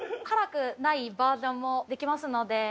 辛くないバージョンもできますので。